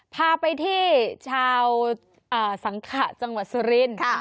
พาไปที่ชาวสังขะจังหวัดสุรินทร์